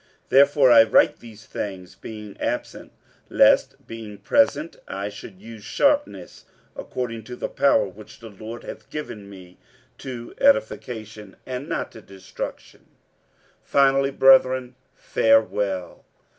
47:013:010 Therefore I write these things being absent, lest being present I should use sharpness, according to the power which the Lord hath given me to edification, and not to destruction. 47:013:011 Finally, brethren, farewell.